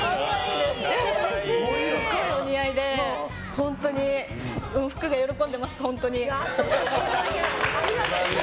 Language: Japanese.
すごくお似合いで本当に服が喜んでます。